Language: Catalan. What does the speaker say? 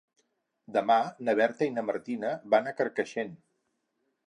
Demà na Berta i na Martina van a Carcaixent.